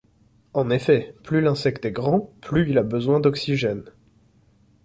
En effet, plus l'insecte est grand, plus il a besoin d'oxygène.